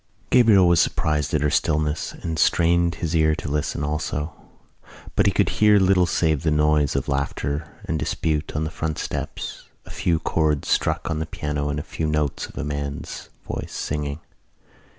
Gabriel was surprised at her stillness and strained his ear to listen also. But he could hear little save the noise of laughter and dispute on the front steps, a few chords struck on the piano and a few notes of a man's voice singing.